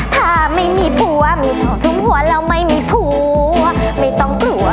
ถ้าไม่มีผัวมีทุ่มหัวแล้วไม่มีผัวไม่ต้องกลัว